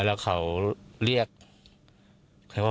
แล้วเขาเรียก